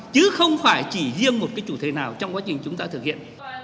chứ không phải chỉ riêng một cái chủ thể nào trong quá trình chúng ta thực hiện